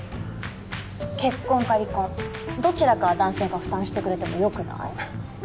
結婚か離婚どちらかは男性が負担してくれてもよくない？